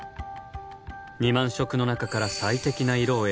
２万色の中から最適な色を選び